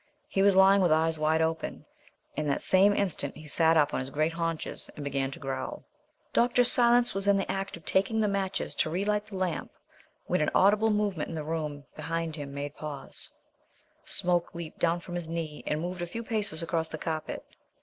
He was lying with eyes wide open, and that same instant he sat up on his great haunches and began to growl. Dr. Silence was in the act of taking the matches to re light the lamp when an audible movement in the room behind made him pause. Smoke leaped down from his knee and moved a few paces across the carpet.